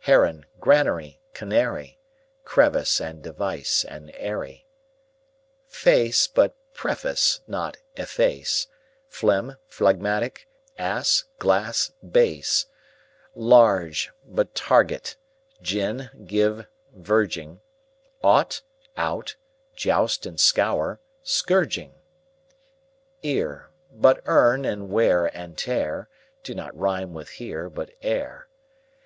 Heron; granary, canary; Crevice, and device, and eyrie; Face but preface, but efface, Phlegm, phlegmatic; ass, glass, bass; Large, but target, gin, give, verging; Ought, out, joust and scour, but scourging; Ear, but earn; and wear and tear Do not rime with "here", but "ere".